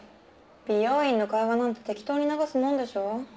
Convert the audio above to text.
美容院の会話なんて適当に流すもんでしょう。